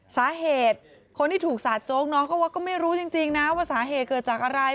สาเหตุคนที่ถูกสาดโจ๊กน้องก็ว่าก็ไม่รู้จริงนะว่าสาเหตุเกิดจากอะไร